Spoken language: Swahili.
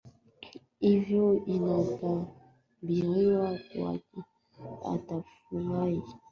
hivyo inatabiriwa kuwa atakufa mapema au kuishi maisha ya kimasikini